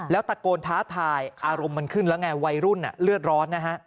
แล้วตะโกนท้าทายอารมณ์มันขึ้นแล้วไงวัยรุ่นเลือดร้อนนะฮะ